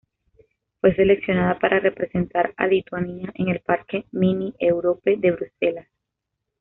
Fue seleccionada para representar a Lituania en el Parque Mini-Europe de Bruselas.